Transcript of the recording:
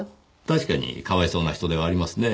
確かにかわいそうな人ではありますね。